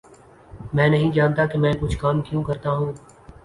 میں نہیں جانتا کہ میں کچھ کام کیوں کرتا ہوں